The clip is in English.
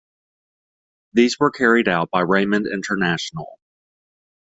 These were carried out by Raymond International.